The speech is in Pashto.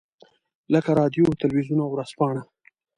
لکه رادیو، تلویزیون او ورځپاڼه.